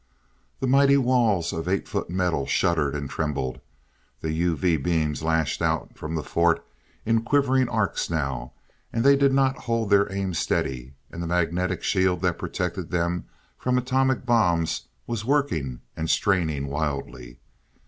The mighty walls of eight foot metal shuddered and trembled. The UV beams lashed out from the fort in quivering arcs now, they did not hold their aim steady, and the magnetic shield that protected them from atomic bombs was working and straining wildly.